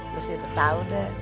mesti itu tau deh